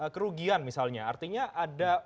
kerugian misalnya artinya ada